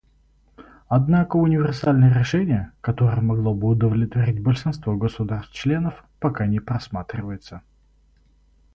Однако универсальное решение, которое могло бы удовлетворить большинство государств- членов, пока не просматривается.